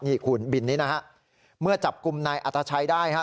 นี่คุณบินนี้นะฮะเมื่อจับกลุ่มนายอัตชัยได้ฮะ